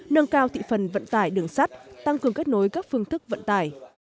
nâng cao thị phần vận tải đường sắt tăng cường kết nối các phương thức vận tải